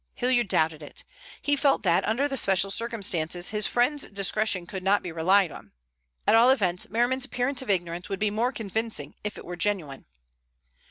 Hilliard doubted it. He felt that under the special circumstances his friend's discretion could not be relied on. At all events Merriman's appearance of ignorance would be more convincing if it were genuine.